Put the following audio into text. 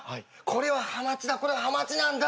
これはハマチだ。